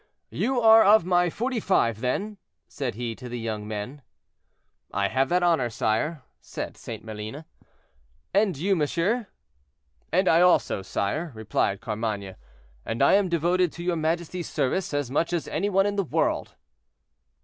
"You are of my Forty five, then?" said he to the young men. "I have that honor, sire," said St. Maline. "And you, monsieur?" "And I, also, sire," replied Carmainges; "and I am devoted to your majesty's service, as much as any one in the world."